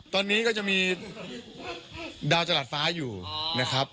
ตอนนี้ก็จะมีดาวจรัสฟ้าอยู่นะครับ